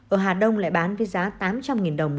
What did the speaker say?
ở hà đông lại bán với giá tám trăm linh đồng